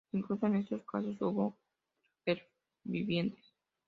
Incluso en esos casos hubo supervivientes.